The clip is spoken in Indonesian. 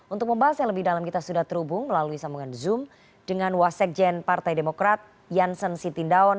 untuk membahas yang lebih dalam kita sudah terhubung melalui sambungan zoom dengan wasekjen partai demokrat janssen sitindaon